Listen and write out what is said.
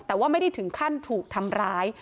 แต่ว่าไม่ได้ถึงขั้นถูกทำร้าย